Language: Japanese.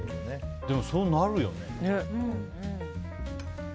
でも、そうなるよね。